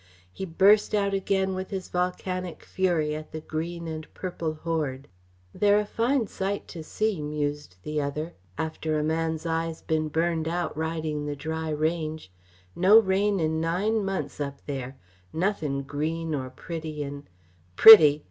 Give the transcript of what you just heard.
He burst out again with his volcanic fury at the green and purple horde. "They're a fine sight to see," mused the other, "after a man's eyes been burned out ridin' the dry range; no rain in nine months up there nothin' green or pretty in " "Pretty!"